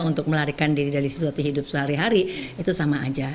untuk melarikan diri dari sesuatu hidup sehari hari itu sama aja